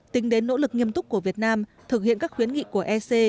tính đến nỗ lực nghiêm túc của việt nam thực hiện các khuyến nghị của ec